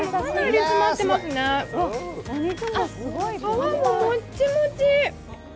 皮ももっちもち。